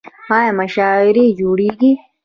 آیا مشاعرې جوړیږي؟